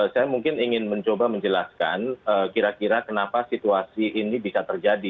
saya mungkin ingin mencoba menjelaskan kira kira kenapa situasi ini bisa terjadi